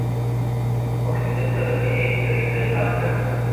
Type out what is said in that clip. oxygen therapy ایک طریقہ علاج ہے